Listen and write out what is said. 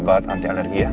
obat anti alergi ya